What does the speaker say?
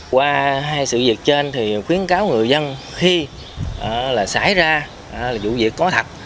qua hai sự việc trên thì khuyến cáo người dân khi là xảy ra là vụ việc có thật